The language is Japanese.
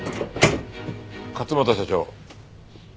勝又社長。